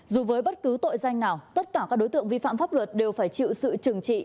dù với bất cứ tội danh nào tất cả các đối tượng vi phạm pháp luật đều phải chịu sự trừng trị